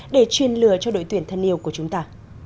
để truyền lừa cho đội tuyển thân yêu của chúng ta